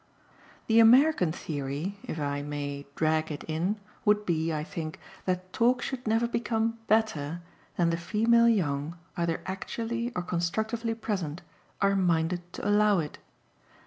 The American theory, if I may "drag it in," would be, I think, that talk should never become "better" than the female young, either actually or constructively present, are minded to allow it.